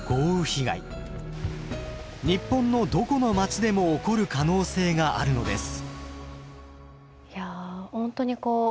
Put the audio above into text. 日本のどこの町でも起こる可能性があるのです。